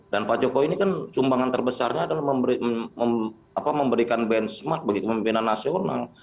dan pak jokowi ini kan sumbangan terbesarnya adalah memberikan benchmark bagi pemimpinan nasional